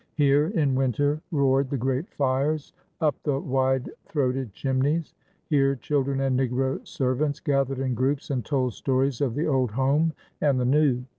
Here in winter roared the great fires up the wide throated chimneys. Here children and negro servants gathered in groups and told stories of the old home and the new.